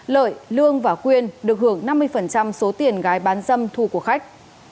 lợi lương và quyên được hưởng năm mươi số tiền gái bán dâm thu của khách